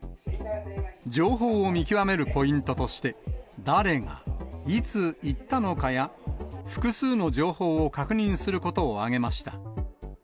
情報を見極めるポイントとして、誰が、いつ言ったのかや、複数の情報を確認することを挙げました。